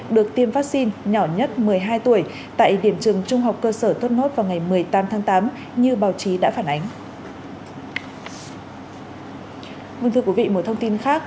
được tiêm vaccine nhỏ nhất một mươi hai tuổi tại điểm trường trung học cơ sở thốt nốt vào ngày một mươi tám tháng tám như báo chí đã phản ánh